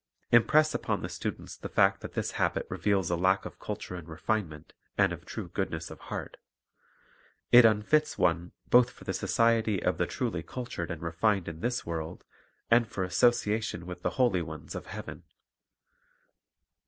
Impress upon the students the fact that this habit reveals a lack of culture and refinement and of true goodness of heart; it unfits one both for the society of the truly cultured and refined in this world and for association with the holy ones of heaven.